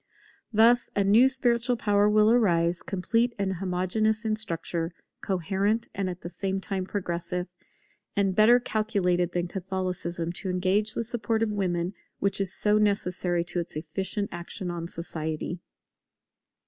Thus a new spiritual power will arise, complete and homogeneous in structure, coherent and at the same time progressive; and better calculated than Catholicism to engage the support of women which is so necessary to its efficient action on society.